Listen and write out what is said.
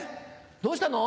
どうしたの？